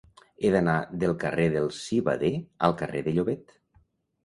He d'anar del carrer del Civader al carrer de Llobet.